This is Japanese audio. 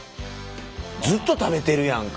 ずっと食べてるやんか。